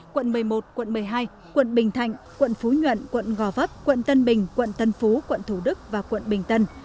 quận một mươi một quận một mươi hai quận bình thạnh quận phú nhuận quận gò vấp quận tân bình quận tân phú quận thủ đức và quận bình tân